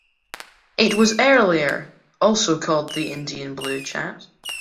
It was earlier also called the Indian blue chat.